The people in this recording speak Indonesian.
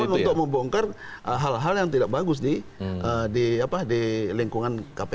untuk membongkar hal hal yang tidak bagus di lingkungan kpk